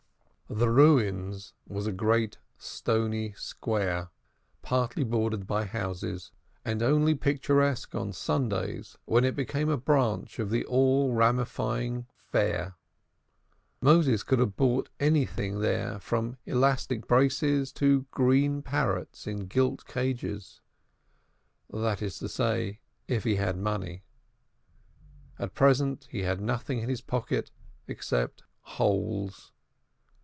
"The Ruins" was a great stony square, partly bordered by houses, and only picturesque on Sundays when it became a branch of the all ramifying Fair. Moses could have bought anything there from elastic braces to green parrots in gilt cages. That is to say if he had had money. At present he had nothing in his pocket except holes.